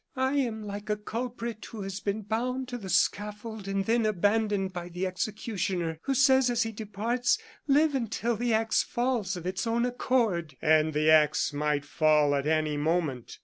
"I am like a culprit who has been bound to the scaffold, and then abandoned by the executioner, who says, as he departs: 'Live until the axe falls of its own accord.'" And the axe might fall at any moment.